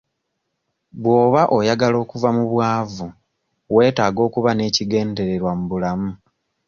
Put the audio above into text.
Bw'oba oyagala okuva mu bwavu weetaaga okuba n'ekigendererwa mu bulamu.